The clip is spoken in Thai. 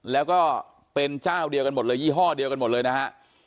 แล้วก็เป็นเจ้าเดียวกันหมดเลยยี่ห้อเดียวกันหมดเลยนะฮะ